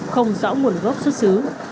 không rõ nguồn gốc xuất xứ